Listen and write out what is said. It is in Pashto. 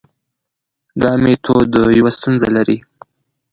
دا میتود یوه ستونزه لري.